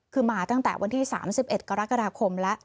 คือมาตั้งแต่วันที่๓๑กรกฎาคมแล้ว